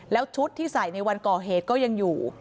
แล้วชุดที่ใส่ในวันก่อเหตุก็ยังอยู่